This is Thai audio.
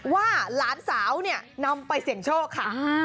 ว่าหลานสาวเนี่ยนำไปเสี่ยงโชคค่ะ